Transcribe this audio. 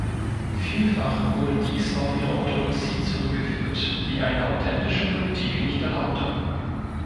Vielfach wurde dies auf ihre Orthodoxie zurückgeführt, die eine authentische Politik nicht erlaubte.